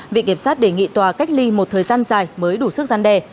viện kiểm sát đề nghị tòa cách ly một thời gian dài mới đủ sức gian đề